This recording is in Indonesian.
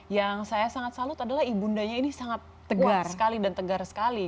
yang saya sangat salut adalah ibundanya ini sangat kuat sekali dan tegar sekali